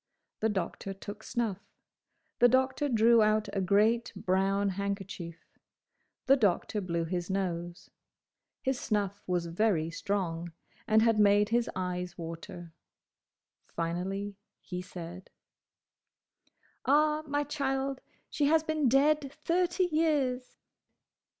The Doctor took snuff. The Doctor drew out a great, brown handkerchief. The Doctor blew his nose. His snuff was very strong, and had made his eyes water. Finally he said, "Ah, my child, she has been dead thirty years!"